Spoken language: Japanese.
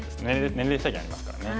年齢制限ありますからね。